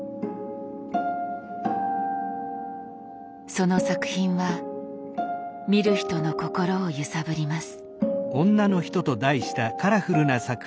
その作品は見る人の心を揺さぶります。